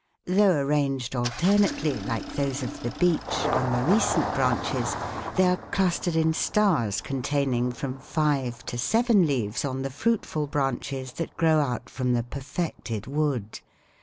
Though arranged alternately, like those of the beech, on the recent branches, they are clustered in stars containing from five to seven leaves on the fruitful branches that grow out from the perfected wood.